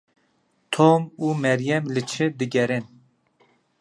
Tom û Meryem li çi digerin?